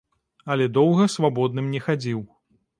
Але доўга свабодным не хадзіў.